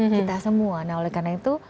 kita semua nah oleh karena itu